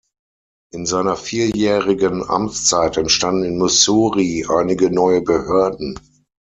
In seiner vierjährigen Amtszeit entstanden in Missouri einige neue Behörden.